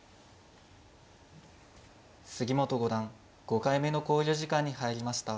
杉本五段５回目の考慮時間に入りました。